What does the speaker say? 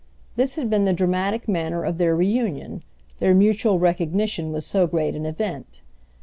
This had been the dramatic manner of their reunion—their mutual recognition was so great an event.